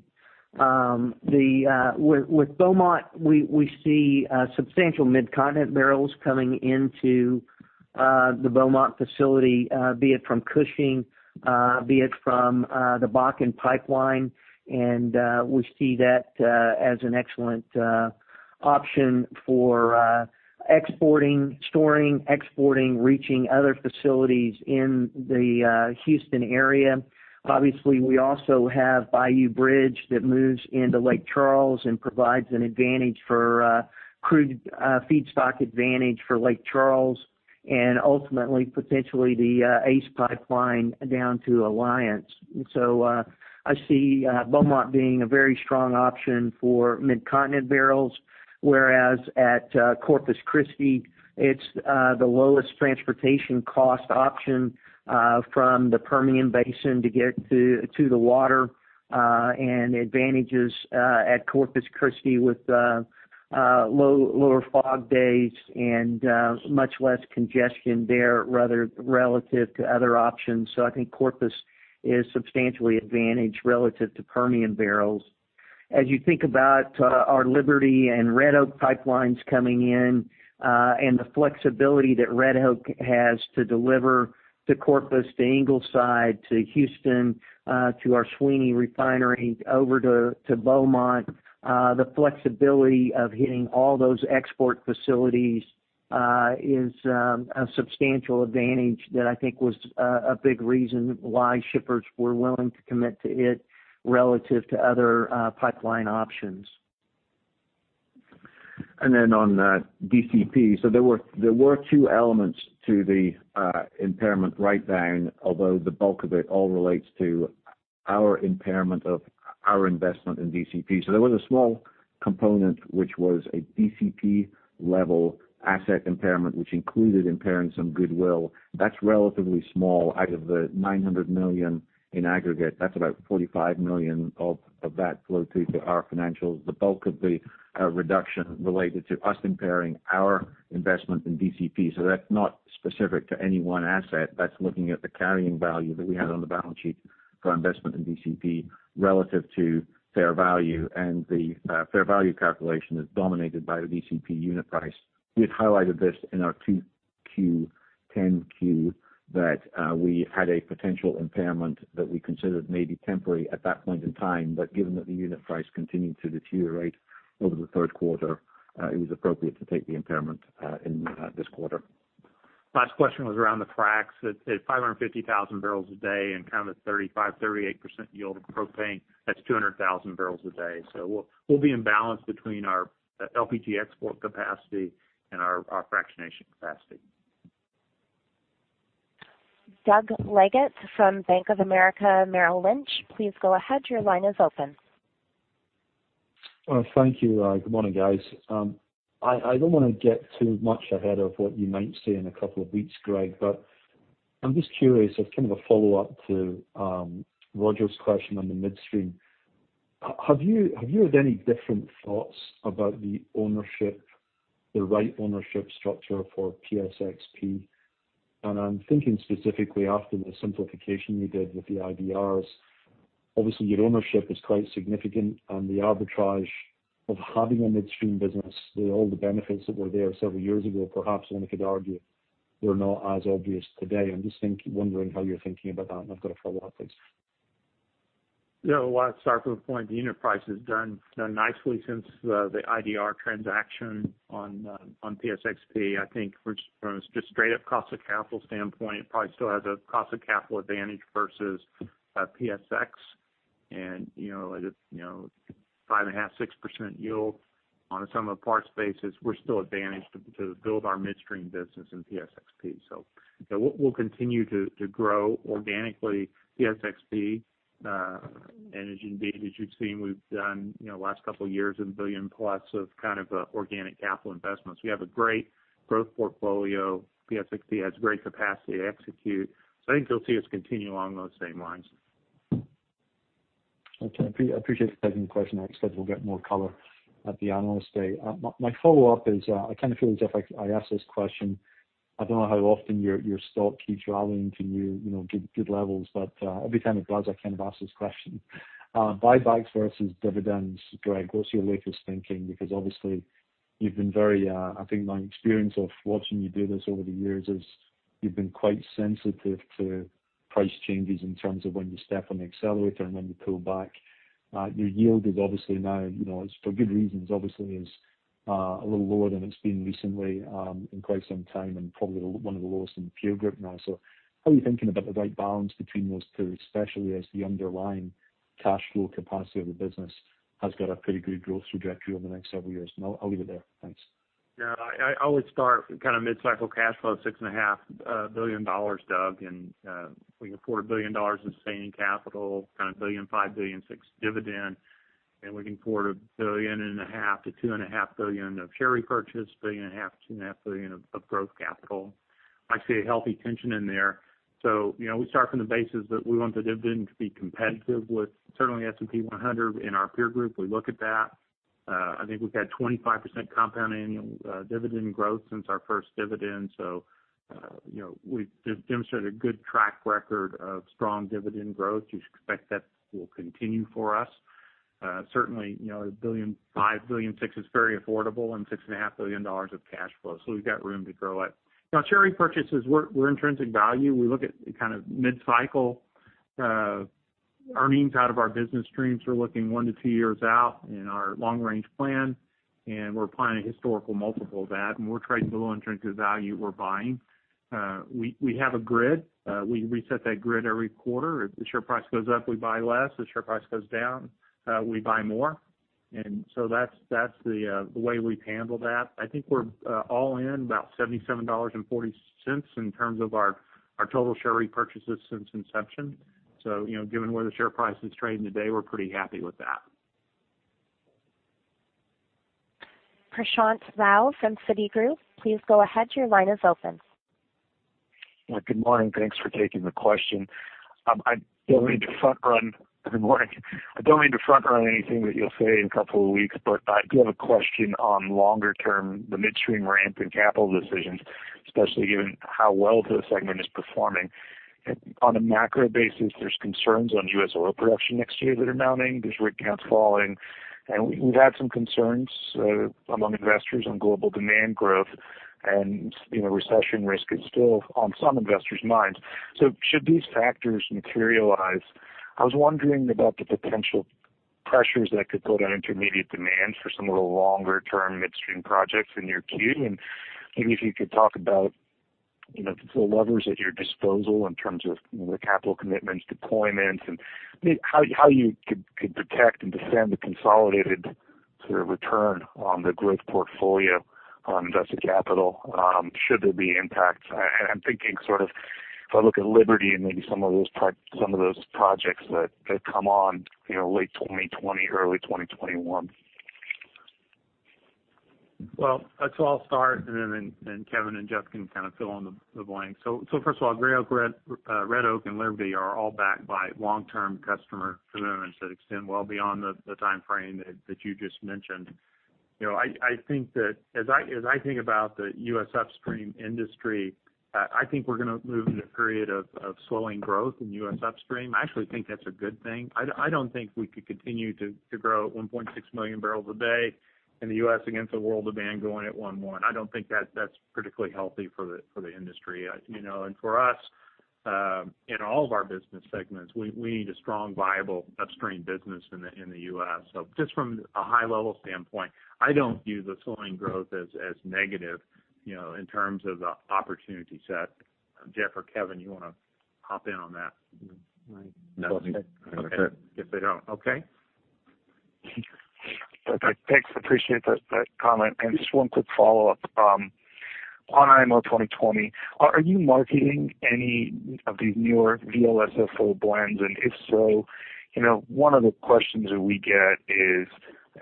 With Beaumont, we see substantial Midcontinent barrels coming into the Beaumont facility, be it from Cushing, be it from the Bakken pipeline, and we see that as an excellent option for storing, exporting, reaching other facilities in the Houston area. Obviously, we also have Bayou Bridge that moves into Lake Charles and provides a crude feedstock advantage for Lake Charles, and ultimately, potentially, the ACE pipeline down to Alliance. I see Beaumont being a very strong option for Midcontinent barrels, whereas at Corpus Christi, it's the lowest transportation cost option from the Permian Basin to get to the water, and advantages at Corpus Christi with lower fog days and much less congestion there relative to other options. I think Corpus is substantially advantaged relative to Permian barrels. As you think about our Liberty and Red Oak pipelines coming in and the flexibility that Red Oak has to deliver to Corpus, to Ingleside, to Houston, to our Sweeny refinery over to Beaumont, the flexibility of hitting all those export facilities is a substantial advantage that I think was a big reason why shippers were willing to commit to it relative to other pipeline options. On DCP. There were two elements to the impairment write-down, although the bulk of it all relates to our impairment of our investment in DCP. There was a small component which was a DCP-level asset impairment, which included impairing some goodwill. That's relatively small. Out of the $900 million in aggregate, that's about $45 million of that flow through to our financials. The bulk of the reduction related to us impairing our investment in DCP. That's not specific to any one asset. That's looking at the carrying value that we had on the balance sheet for our investment in DCP relative to fair value, and the fair value calculation is dominated by the DCP unit price. We had highlighted this in our 2Q 10-Q that we had a potential impairment that we considered may be temporary at that point in time. Given that the unit price continued to deteriorate over the third quarter, it was appropriate to take the impairment in this quarter. Last question was around the fracs. At 550,000 barrels a day and kind of 35%, 38% yield of propane, that's 200,000 barrels a day. We'll be in balance between our LPG export capacity and our fractionation capacity. Douglas Leggate from Bank of America Merrill Lynch. Please go ahead. Your line is open. Thank you. Good morning, guys. I don't want to get too much ahead of what you might say in a couple of weeks, Greg, but I'm just curious as kind of a follow-up to Roger's question on the midstream. Have you had any different thoughts about the right ownership structure for PSXP? I'm thinking specifically after the simplification you did with the IDRs. Obviously, your ownership is quite significant, and the arbitrage of having a midstream business with all the benefits that were there several years ago, perhaps one could argue, were not as obvious today. I'm just wondering how you're thinking about that, and I've got a follow-up. Thanks. Well, I'd start from the point the unit price has done nicely since the IDR transaction on PSXP. I think from a just straight up cost of capital standpoint, it probably still has a cost of capital advantage versus PSX. At a 5.5%, 6% yield on a sum of parts basis, we're still advantaged to build our midstream business in PSXP. We'll continue to grow organically PSXP. As you've seen, we've done, last couple years, a $1 billion plus of kind of organic capital investments. We have a great growth portfolio. PSXP has great capacity to execute. I think you'll see us continue along those same lines. Okay. I appreciate you taking the question. I expect we'll get more color at the Analyst Day. My follow-up is, I kind of feel as if I ask this question, I don't know how often your stock keeps rallying to new good levels, every time it does, I kind of ask this question. Buybacks versus dividends, Greg, what's your latest thinking? Obviously, I think my experience of watching you do this over the years is you've been quite sensitive to price changes in terms of when you step on the accelerator and when you pull back. Your yield is obviously now, for good reasons, obviously is a little lower than it's been recently in quite some time and probably one of the lowest in the peer group now. How are you thinking about the right balance between those two, especially as the underlying cash flow capacity of the business has got a pretty good growth trajectory over the next several years? I'll leave it there. Thanks. I always start mid-cycle cash flow of $6.5 billion, Doug, we can afford $1 billion in sustaining capital, a $1.5 billion-$1.6 billion dividend, looking forward a billion and a half to two and a half billion of share repurchase, a billion and a half to two and a half billion of growth capital. I see a healthy tension in there. We start from the basis that we want the dividend to be competitive with certainly S&P 100 in our peer group. We look at that. I think we've had 25% compound annual dividend growth since our first dividend. We've demonstrated a good track record of strong dividend growth. You expect that will continue for us. Certainly, $5 billion, $6 billion is very affordable and $6.5 billion of cash flow. We've got room to grow it. Share repurchases, we're intrinsic value. We look at mid-cycle earnings out of our business streams. We're looking one to two years out in our long-range plan. We're applying a historical multiple of that. We're trading below intrinsic value. We're buying. We have a grid. We reset that grid every quarter. If the share price goes up, we buy less. If the share price goes down, we buy more. That's the way we've handled that. I think we're all in about $77.40 in terms of our total share repurchases since inception. Given where the share price is trading today, we're pretty happy with that. Prashant Rao from Citigroup. Please go ahead. Your line is open. Good morning. Thanks for taking the question. Good morning. I don't mean to front run anything that you'll say in a couple of weeks, but I do have a question on longer term, the midstream ramp and capital decisions, especially given how well the segment is performing. On a macro basis, there's concerns on U.S. oil production next year that are mounting. There's rig counts falling, and we've had some concerns among investors on global demand growth and recession risk is still on some investors' minds. Should these factors materialize, I was wondering about the potential pressures that could go down intermediate demand for some of the longer-term midstream projects in your queue. Maybe if you could talk about the levers at your disposal in terms of the capital commitments, deployments, and how you could protect and defend the consolidated return on the growth portfolio on invested capital should there be impacts. I'm thinking if I look at Liberty and maybe some of those projects that come on late 2020, early 2021. I'll start, and then Kevin and Jeff can fill in the blanks. First of all, Gray Oak, Red Oak, and Liberty are all backed by long-term customer commitments that extend well beyond the timeframe that you just mentioned. As I think about the U.S. upstream industry, I think we're going to move into a period of slowing growth in U.S. upstream. I actually think that's a good thing. I don't think we could continue to grow at 1.6 million barrels a day in the U.S. against a world demand growing at 1.1. I don't think that's particularly healthy for the industry. For us, in all of our business segments, we need a strong, viable upstream business in the U.S. Just from a high-level standpoint, I don't view the slowing growth as negative, in terms of the opportunity set. Jeff or Kevin, you want to hop in on that? No. Okay. If they don't, okay. Thanks. Appreciate that comment. Just one quick follow-up. On IMO 2020, are you marketing any of these newer VLSFO blends? If so, one of the questions that we get is,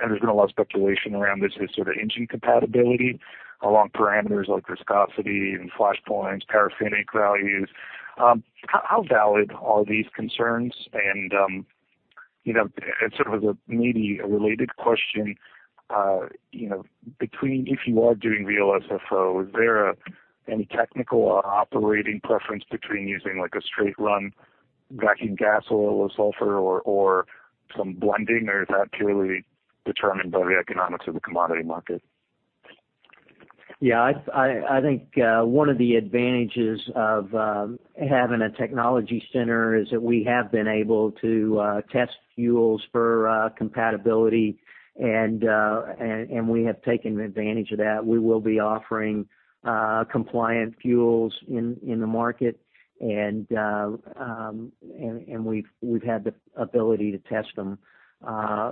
and there's been a lot of speculation around this, is sort of engine compatibility along parameters like viscosity and flash points, paraffinic values. How valid are these concerns? Sort of maybe a related question, between if you are doing VLSFO, is there any technical or operating preference between using a straight run vacuum gas oil or sulfur or some blending, or is that purely determined by the economics of the commodity market? Yeah. I think one of the advantages of having a technology center is that we have been able to test fuels for compatibility, and we have taken advantage of that. We will be offering compliant fuels in the market, and we've had the ability to test them.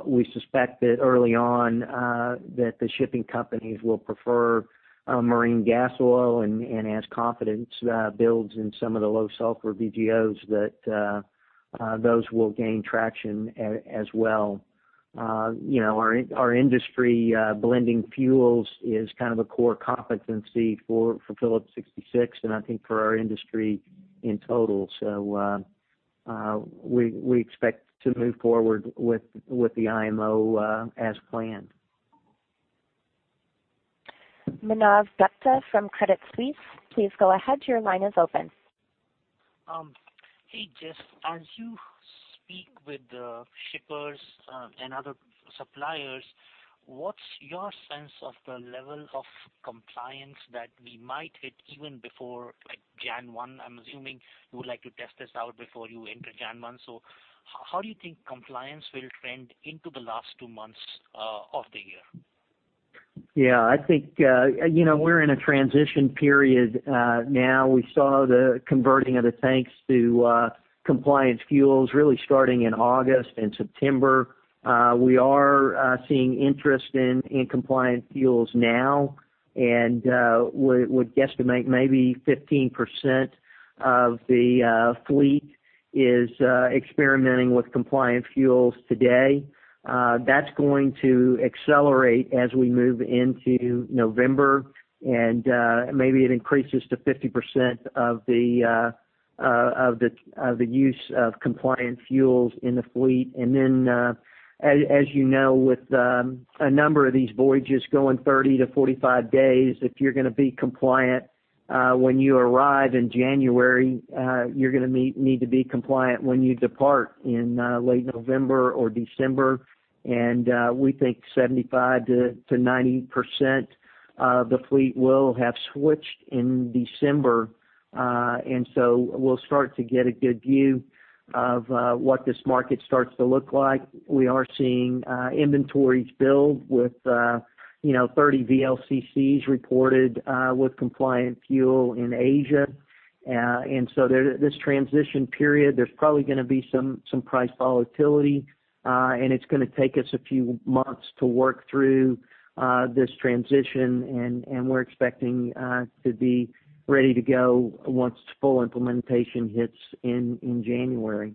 We suspect that early on, that the shipping companies will prefer marine gas oil, and as confidence builds in some of the low sulfur VGOs, that those will gain traction as well. Our industry blending fuels is kind of a core competency for Phillips 66 and I think for our industry in total. We expect to move forward with the IMO as planned. Manav Gupta from Credit Suisse. Please go ahead. Your line is open. Hey, Jeff. As you speak with the shippers and other suppliers, what's your sense of the level of compliance that we might hit even before January 1? I'm assuming you would like to test this out before you enter January 1. How do you think compliance will trend into the last two months of the year? Yeah, I think we're in a transition period now. We saw the converting of the tanks to compliance fuels really starting in August and September. We are seeing interest in compliant fuels now, would guesstimate maybe 15% of the fleet is experimenting with compliant fuels today. That's going to accelerate as we move into November, and maybe it increases to 50% of the use of compliant fuels in the fleet. Then, as you know, with a number of these voyages going 30 to 45 days, if you're going to be compliant when you arrive in January, you're going to need to be compliant when you depart in late November or December. We think 75%-90% of the fleet will have switched in December. So we'll start to get a good view of what this market starts to look like. We are seeing inventories build with 30 VLCCs reported with compliant fuel in Asia. This transition period, there's probably going to be some price volatility, and it's going to take us a few months to work through this transition, and we're expecting to be ready to go once full implementation hits in January.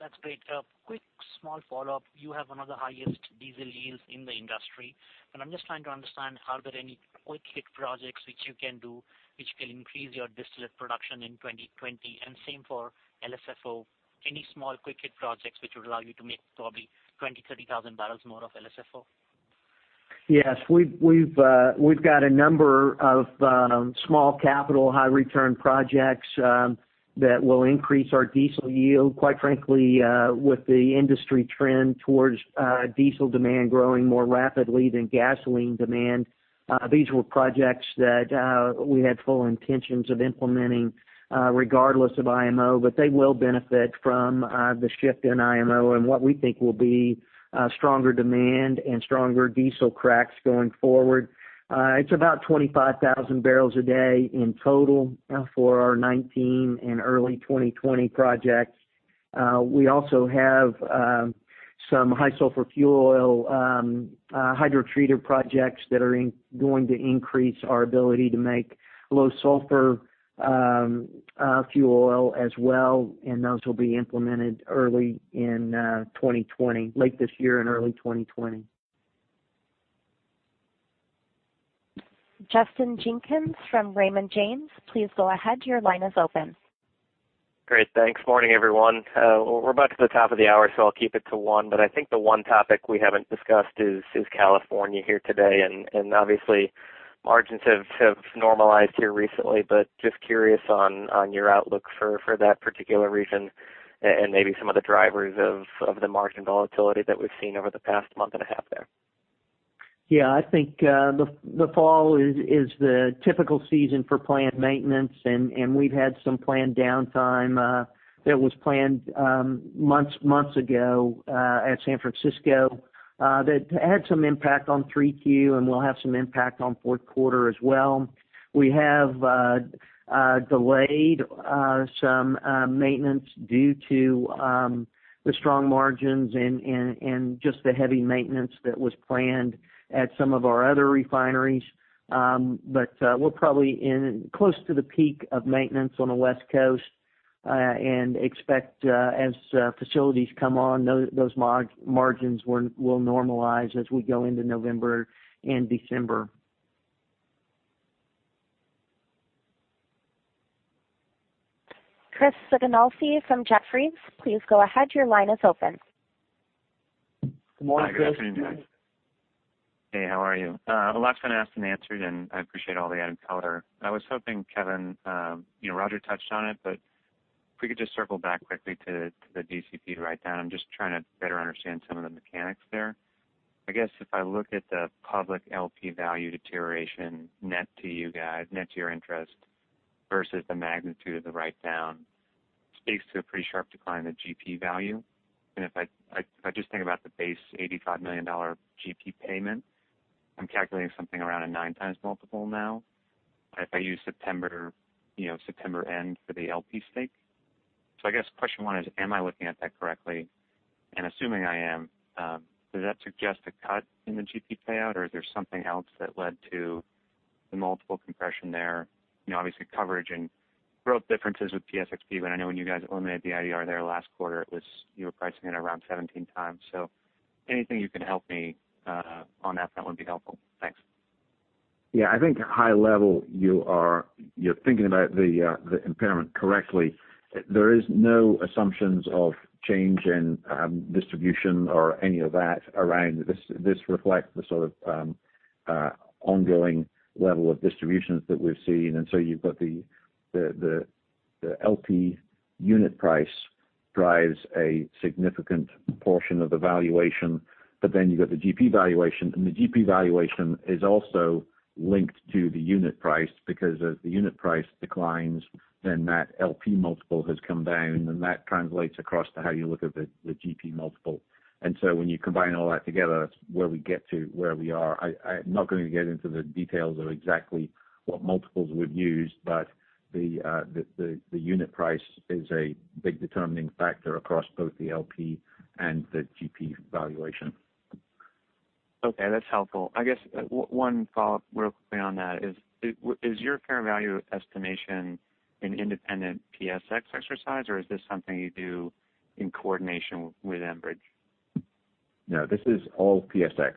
That's great. A quick, small follow-up. You have one of the highest diesel yields in the industry, and I'm just trying to understand, are there any quick-hit projects which you can do, which can increase your distillate production in 2020? Same for LSFO. Any small quick-hit projects which would allow you to make probably 20,000, 30,000 barrels more of LSFO? Yes. We've got a number of small capital, high return projects that will increase our diesel yield. Quite frankly, with the industry trend towards diesel demand growing more rapidly than gasoline demand, these were projects that we had full intentions of implementing regardless of IMO, but they will benefit from the shift in IMO and what we think will be stronger demand and stronger diesel cracks going forward. It's about 25,000 barrels a day in total for our 2019 and early 2020 projects. We also have some high sulfur fuel oil hydrotreater projects that are going to increase our ability to make low sulfur fuel oil as well, and those will be implemented late this year and early 2020. Justin Jenkins from Raymond James, please go ahead. Your line is open. Great. Thanks. Morning, everyone. Well, we're about to the top of the hour, so I'll keep it to one. I think the one topic we haven't discussed is California here today. Obviously margins have normalized here recently, but just curious on your outlook for that particular region and maybe some of the drivers of the margin volatility that we've seen over the past month and a half there. I think the fall is the typical season for planned maintenance, and we've had some planned downtime that was planned months ago at San Francisco that had some impact on 3Q, and will have some impact on fourth quarter as well. We have delayed some maintenance due to the strong margins and just the heavy maintenance that was planned at some of our other refineries. We're probably close to the peak of maintenance on the West Coast, and expect as facilities come on, those margins will normalize as we go into November and December. Christopher Sighinolfi from Jefferies, please go ahead. Your line is open. Good morning, Chris. Hi, good afternoon, guys. Hey, how are you? A lot's been asked and answered. I appreciate all the added color. I was hoping, Kevin, Roger touched on it. If we could just circle back quickly to the DCP write-down. I'm just trying to better understand some of the mechanics there. I guess if I look at the public LP value deterioration net to you guys, net to your interest, versus the magnitude of the write-down, speaks to a pretty sharp decline in GP value. If I just think about the base $85 million GP payment, I'm calculating something around a 9x multiple now. If I use September end for the LP stake. I guess question one is, am I looking at that correctly? Assuming I am, does that suggest a cut in the GP payout, or is there something else that led to the multiple compression there? Obviously coverage and growth differences with PSXP, but I know when you guys eliminated the IDR there last quarter, you were pricing it around 17 times. Anything you can help me on that front would be helpful. Thanks. Yeah, I think high level, you're thinking about the impairment correctly. There is no assumptions of change in distribution or any of that around. This reflects the sort of ongoing level of distributions that we've seen. You've got the LP unit price drives a significant portion of the valuation, but then you've got the GP valuation, and the GP valuation is also linked to the unit price, because as the unit price declines, then that LP multiple has come down, and that translates across to how you look at the GP multiple. When you combine all that together, that's where we get to where we are. I'm not going to get into the details of exactly what multiples we've used, but the unit price is a big determining factor across both the LP and the GP valuation. Okay, that's helpful. I guess one follow-up real quickly on that is your fair value estimation an independent PSX exercise, or is this something you do in coordination with Enbridge? This is all PSX.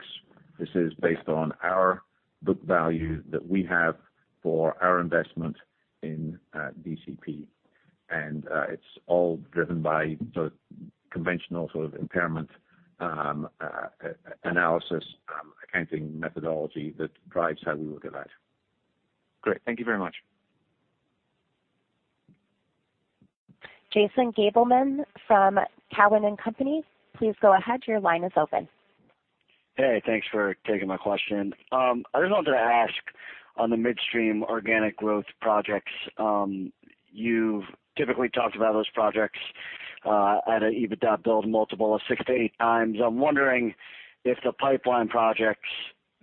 This is based on our book value that we have for our investment in DCP. It's all driven by the conventional sort of impairment analysis accounting methodology that drives how we look at that. Great. Thank you very much. Jason Gabelman from Cowen and Company. Please go ahead. Your line is open. Thanks for taking my question. I just wanted to ask on the midstream organic growth projects. You've typically talked about those projects at an EBITDA build multiple of 6x to 8x. I'm wondering if the pipeline projects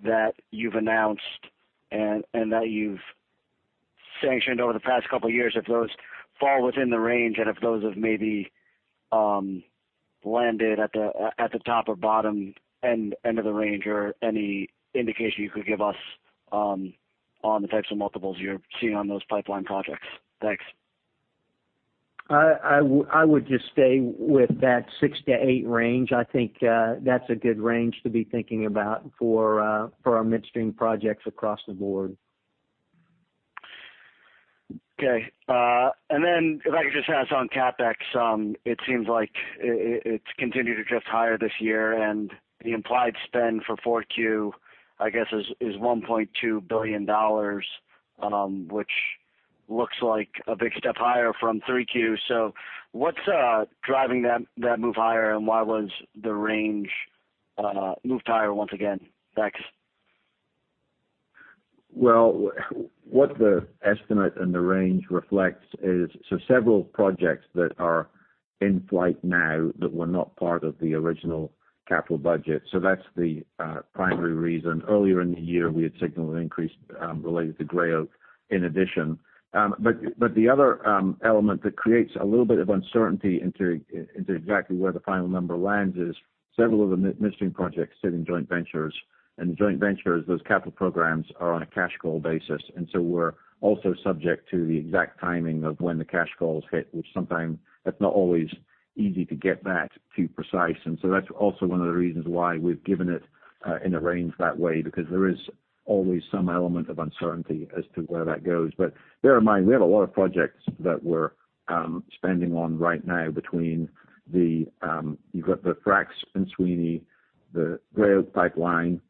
that you've announced and that you've sanctioned over the past couple of years, if those fall within the range and if those have maybe landed at the top or bottom end of the range or any indication you could give us on the types of multiples you're seeing on those pipeline projects. Thanks. I would just stay with that six to eight range. I think that's a good range to be thinking about for our midstream projects across the board. Okay. If I could just ask on CapEx, it seems like it's continued to drift higher this year, the implied spend for 4Q, I guess, is $1.2 billion, which looks like a big step higher from 3Q. What's driving that move higher, and why was the range moved higher once again? Thanks. What the estimate and the range reflects is, several projects that are in flight now that were not part of the original capital budget. That's the primary reason. Earlier in the year, we had signaled an increase related to Gray Oak in addition. The other element that creates a little bit of uncertainty into exactly where the final number lands is several of the midstream projects sit in joint ventures. In joint ventures, those capital programs are on a cash call basis. We're also subject to the exact timing of when the cash calls hit, which sometimes that's not always easy to get that too precise. That's also one of the reasons why we've given it in a range that way, because there is always some element of uncertainty as to where that goes. Bear in mind, we have a lot of projects that we're spending on right now between the, you've got the Fractionators at Sweeny, the Gray Oak Pipeline,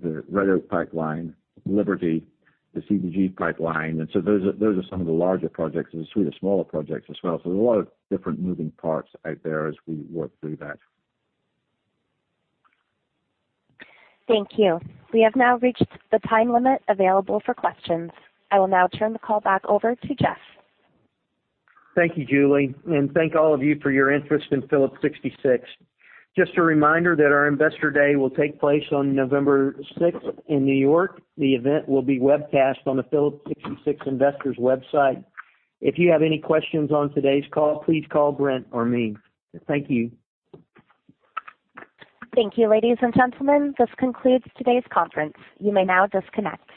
the Red Oak Pipeline, Liberty, the C2G Pipeline. Those are some of the larger projects. There's a suite of smaller projects as well. There's a lot of different moving parts out there as we work through that. Thank you. We have now reached the time limit available for questions. I will now turn the call back over to Jeff. Thank you, Julie. Thank all of you for your interest in Phillips 66. Just a reminder that our Investor Day will take place on November sixth in New York. The event will be webcast on the Phillips 66 investors website. If you have any questions on today's call, please call Brent or me. Thank you. Thank you, ladies and gentlemen. This concludes today's conference. You may now disconnect.